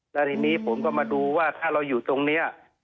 แล้วทีนี้ผมก็มาดูว่าถ้าเราอยู่ตรงนี้